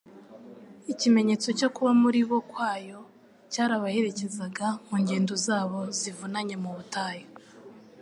Ikimenyetso cyo kuba muri bo kwayo, cyarabaherekezaga mu ngendo zabo zivunanye mu butayu.